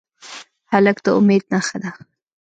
هلک د امید نښه ده.